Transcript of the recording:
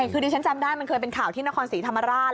คือดิฉันจำได้มันเคยเป็นข่าวที่นครศรีธรรมราช